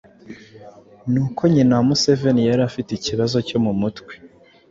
ni uko nyina wa Museveni yari afite ikibazo cyo mu mutwe.